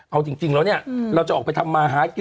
เอาจริงแล้วเนี่ยเราจะออกไปทำมาหากิน